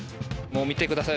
見てください。